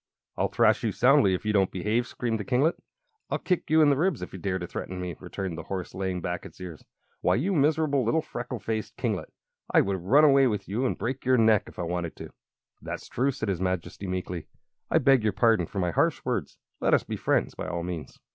"I'll thrash you soundly, if you don't behave!" screamed the kinglet. "I'll kick you in the ribs, if you dare to threaten me!" returned the horse, laying back its ears. "Why, you miserable little freckle faced kinglet, I could run away with you and break your neck, if I wanted to!" "That's true," said his Majesty, meekly. "I beg your pardon for my harsh words. Let us be friends, by all means!"